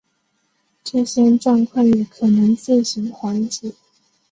这些状况也可能自行缓解。